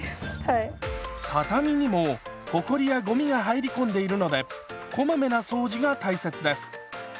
畳にもほこりやゴミが入り込んでいるのでこまめな掃除が大切です。